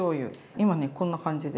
今ねこんな感じで。